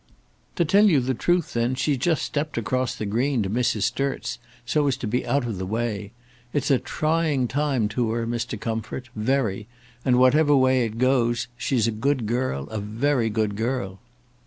"To tell you the truth, then, she's just stept across the green to Mrs. Sturt's, so as to be out of the way. It's a trying time to her, Mr. Comfort, very; and whatever way it goes, she's a good girl, a very good girl."